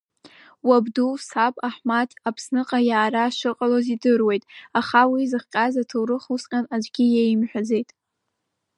Уабду, саб Аҳмаҭ, Аԥсныҟа иаара шыҟалаз удыруеит, аха уи зыхҟьаз аҭоурых усҟан аӡәгьы иеимҳәаӡеит.